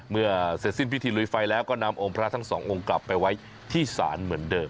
เมื่อเสร็จสิ้นพิธีลุยไฟแล้วก็นำองค์พระทั้งสององค์กลับไปไว้ที่ศาลเหมือนเดิม